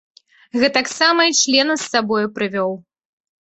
Гэтаксама й члена з сабою прывёў.